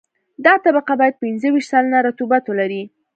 دا طبقه باید پنځه ویشت سلنه رطوبت ولري